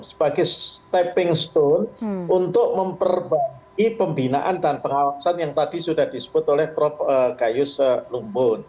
sebagai stepping stone untuk memperbaiki pembinaan dan pengawasan yang tadi sudah disebut oleh prof gayus lumbun